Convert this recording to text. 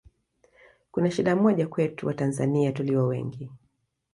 kuna shida moja kwetu Watanzania tulio wengi